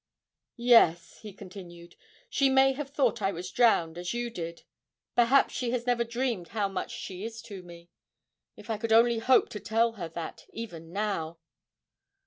'Yes,' he continued, 'she may have thought I was drowned, as you did; perhaps she has never dreamed how much she is to me: if I could only hope to tell her that even now!'